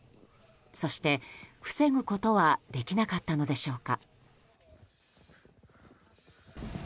そして防ぐことはできなかったのでしょうか。